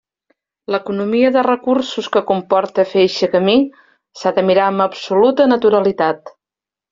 L'economia de recursos que comporta fer eixe camí s'ha de mirar amb absoluta naturalitat.